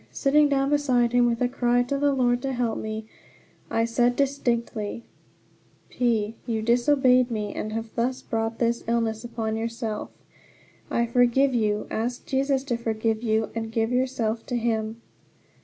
Sitting down beside him, with a cry to the Lord to help me, I said distinctly: "P , you disobeyed me, and have thus brought this illness upon yourself. I forgive you; ask Jesus to forgive you, and give yourself to him."